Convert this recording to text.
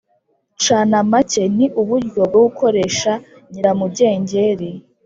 canamake ni uburyo bwo gukoresha nyiramugengeri